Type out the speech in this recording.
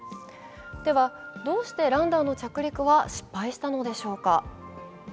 では、どうしてランダーの着陸は失敗したのでしょうか。